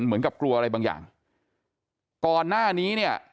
เหมือนกับกลัวอะไรบางอย่างก่อนหน้านี้เนี่ย